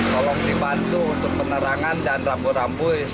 tolong dibantu untuk penerangan dan rambu rambu